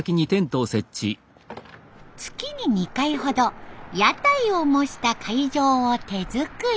月に２回ほど屋台を模した会場を手作り。